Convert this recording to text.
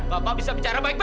bapak bisa bicara baik baik